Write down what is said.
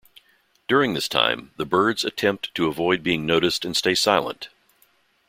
During this time, the birds attempt to avoid being noticed and stay silent.